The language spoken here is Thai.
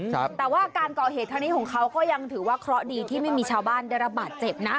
แต่ว่าการก่อเหตุครั้งนี้ของเขาก็ยังถือว่าเคราะห์ดีที่ไม่มีชาวบ้านได้รับบาดเจ็บนะ